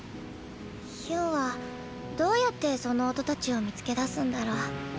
ヒュンはどうやってその音たちを見つけ出すんだろう。